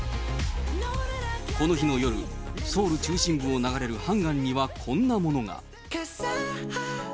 この日の夜、ソウル中心部を流れるハンガンにはこんなものが。